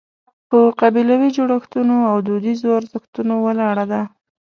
په قبیلوي جوړښتونو او دودیزو ارزښتونو ولاړه ده.